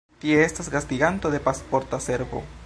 Tie estas gastiganto de Pasporta Servo.